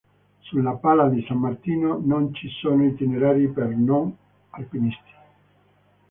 Sulla Pala di San Martino non ci sono itinerari per non alpinisti.